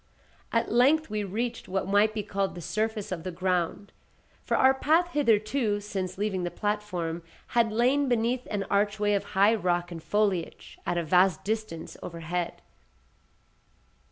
At length we reached what might be called the surface of the ground; for our path hitherto, since leaving the platform, had lain beneath an archway of high rock and foliage, at a vast distance overhead.